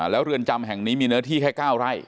แล้วเรือนจำแห่งนี้มีเนื้อที่แค่๙ไร่